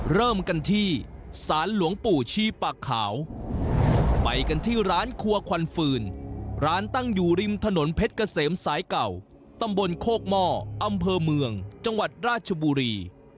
เริ่มกันที่ศาลหลวงปู่ชีปากขาวไปกันที่ร้านครัวควันฟืนร้านตั้งอยู่ริมถนนเพชรเกษมสายเก่าตำบลโคกหม้ออำเภอเมืองจังหวัดราชบุรี